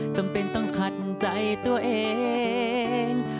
จำเป็นต้องขัดใจตัวเอง